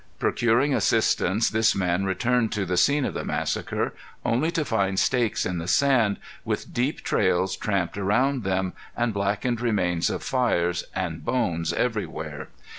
Procuring assistance this man returned to the scene of the massacre, only to find stakes in the sand, with deep trails tramped around them, and blackened remains of fires, and bones everywhere.